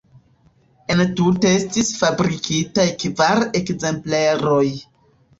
Entute estis fabrikitaj kvar ekzempleroj.